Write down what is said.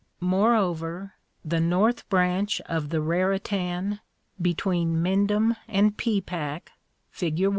Moreover, the North Branch of the Raritan, between Mendham and Peapack (* Fig.